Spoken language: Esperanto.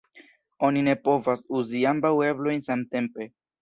Oni ne povas uzi ambaŭ eblojn samtempe.